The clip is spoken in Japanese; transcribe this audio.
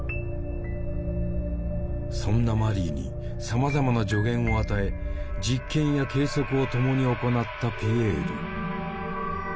そんなマリーにさまざまな助言を与え実験や計測を共に行ったピエール。